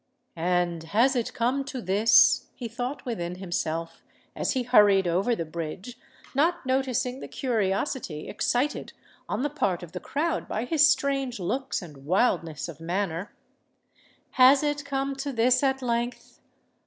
"And has it come to this?" he thought within himself, as he hurried over the bridge, not noticing the curiosity excited on the part of the crowd by his strange looks and wildness of manner: "has it come to this at length?